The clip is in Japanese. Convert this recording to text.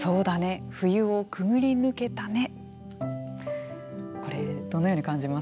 これどのように感じますか。